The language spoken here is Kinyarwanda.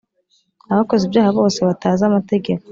Abakoze ibyaha bose batazi amategeko